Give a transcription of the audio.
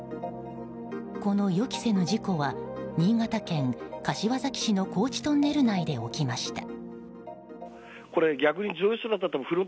この予期せぬ事故は新潟県柏崎市の川内トンネル内で起きました。